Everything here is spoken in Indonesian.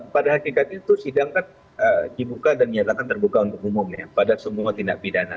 pada hakikat itu sidang kan dibuka dan nyatakan terbuka untuk umum ya pada semua tindak pidana